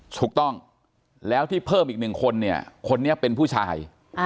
ถูกต้องแล้วที่เพิ่มอีกหนึ่งคนเนี่ยคนนี้เป็นผู้ชาย